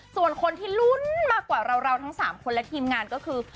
ส่วนคนที่ลุ้นมากกว่าเราทั้ง๓คนและทีมงานก็คือ